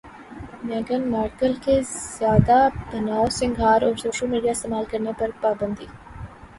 میگھن Markle کے زیادہ بنائو سنگھار اور سوشل میڈیا استعمال کرنے پر پابندی